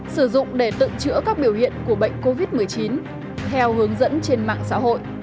sử dụng để tự chữa các biểu hiện của bệnh covid một mươi chín theo hướng dẫn trên mạng xã hội